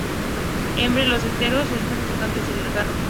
Entre los esteros, el más importante es el Lagarto.